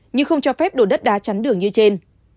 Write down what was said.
nhưng không cho phép đổ đất đá chắn đường như trên